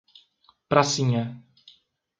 Pracinha